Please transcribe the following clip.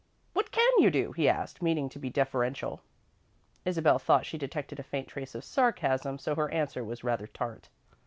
"What can you do?" he asked, meaning to be deferential. Isabel thought she detected a faint trace of sarcasm, so her answer was rather tart.